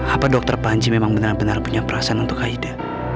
apa dokter panji memang benar benar punya perasaan untuk haida